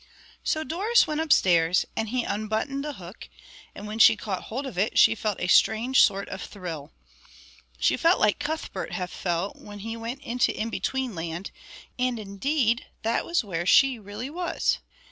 So Doris went upstairs, and he unbuttoned the hook, and when she caught hold of it she felt a strange sort of thrill. She felt like Cuthbert had felt when he went into In between Land; and indeed that was where she really was.